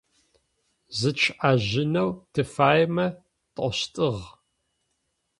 Зытшӏэжьынэу тыфаемэ тӏощтыгъ.